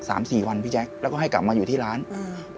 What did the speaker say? สามสี่วันพี่แจ๊คแล้วก็ให้กลับมาอยู่ที่ร้านอืม